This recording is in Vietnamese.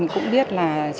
mình cũng biết là